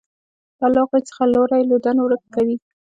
دا له هغوی څخه لوری لودن ورک کوي.